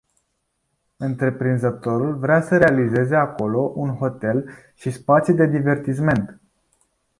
Întreprinzătorul vrea să realizeze acolo un hotel și spații de divertisment.